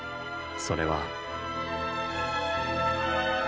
それは。